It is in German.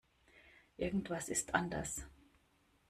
Irgendwas ist anders.